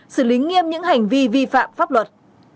xử lý nghiêm những hành vi vi phạm pháp luật